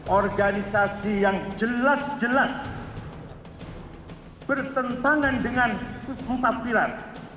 organisasi yang jelas jelas bertentangan dengan empat pilar